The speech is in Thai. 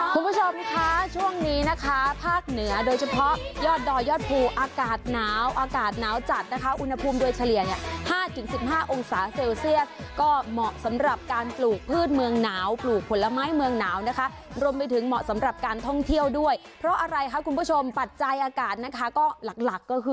คุณผู้ชมคะช่วงนี้นะคะภาคเหนือโดยเฉพาะยอดดอยยอดภูอากาศหนาวอากาศหนาวจัดนะคะอุณหภูมิโดยเฉลี่ยเนี่ย๕๑๕องศาเซลเซียสก็เหมาะสำหรับการปลูกพืชเมืองหนาวปลูกผลไม้เมืองหนาวนะคะรวมไปถึงเหมาะสำหรับการท่องเที่ยวด้วยเพราะอะไรคะคุณผู้ชมปัจจัยอากาศนะคะก็หลักหลักก็คือ